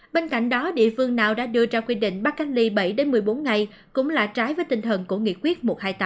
bên cạnh đó địa phương nào đã đưa ra quy định bắt cách ly bảy một mươi bốn ngày cũng là trái với tinh thần của nghị quyết một trăm hai mươi tám